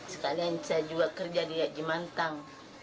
sekalian saya juga kerja di jemantang